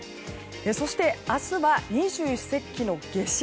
そして、明日は二十四節気の夏至。